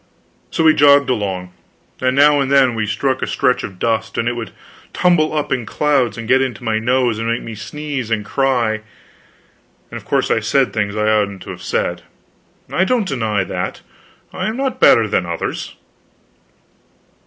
So we jogged along, and now and then we struck a stretch of dust, and it would tumble up in clouds and get into my nose and make me sneeze and cry; and of course I said things I oughtn't to have said, I don't deny that. I am not better than others.